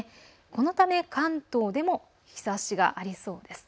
このため関東でも日ざしがありそうです。